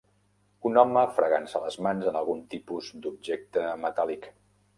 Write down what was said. Un home fregant-se les mans en algun tipus d'objecte metàl·lic